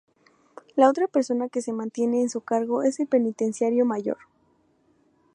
La otra persona que se mantiene en su cargo es el penitenciario mayor.